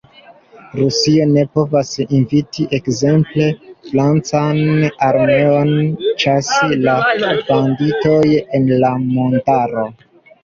Rusio ne povas inviti ekzemple francan armeon ĉasi la banditojn en la montaro.